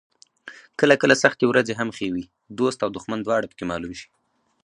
کله کله سختې ورځې هم ښې وي، دوست او دښمن دواړه پکې معلوم شي.